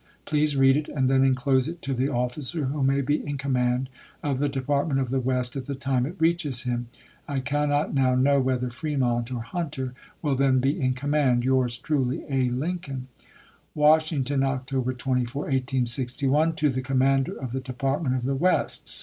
Please read it, and then inclose it to the officer who may be in command of the Depart ment of the West at the time it reaches him. I cannot now know whether Fremont or Hunter will then be in command. Yours trulv ^ w. r. Voi. iourstrui;y, A. LINCOLN. in., p. 555. Washington, Oct. 24, 1861. To THE Commander of the Department of the West.